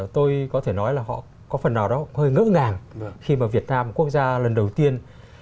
tôi có thể nói là họ có phần nào đó hơi ngỡ ngàng khi mà việt nam quốc gia lần đầu tiên